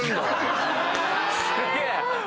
すげえ！